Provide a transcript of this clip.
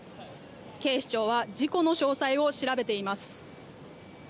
警視庁は事故の詳細を調べています。